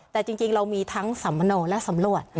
แต่จริงเรามีทั้งสัมมโนและสำรวจ